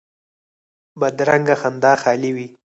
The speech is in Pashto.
بدرنګه خندا خالي وي